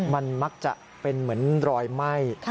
มันมักจะเป็นเหมือนรอยไหม้